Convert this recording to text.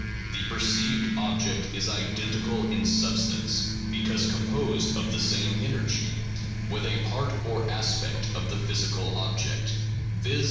The perceived object is identical in substance (because composed of the same energy) with a part or aspect of the physical object, viz.